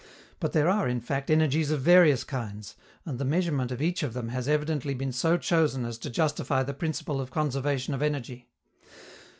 But there are, in fact, energies of various kinds, and the measurement of each of them has evidently been so chosen as to justify the principle of conservation of energy.